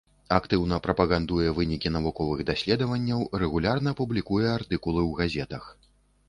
Актыўна прапагандуе вынікі навуковых даследаванняў, рэгулярна публікуе артыкулы ў газетах.